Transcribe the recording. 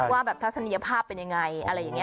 ว่าแบบทัศนียภาพเป็นยังไงอะไรอย่างนี้